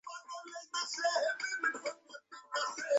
এখখুনি যদি যাত্রা আরম্ভ হয়?